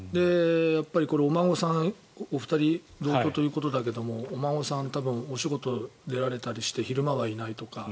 お孫さんお二人と同居ということだけれどもお孫さん多分、お仕事に出られたりして昼間はいないとか。